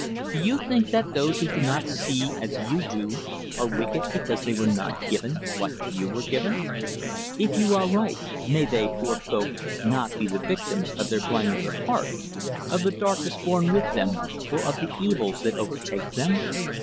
Do you think that those who do not see as you do are wicked because they were not given what you were given? If you are right, may they, poor folk! not be the victims of their blindness of heart of the darkness born with them, or of the evils that overtake them?